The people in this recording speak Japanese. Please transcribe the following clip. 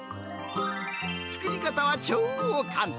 作り方は超簡単。